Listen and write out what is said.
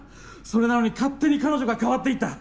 それなのに勝手に彼女が変わっていった。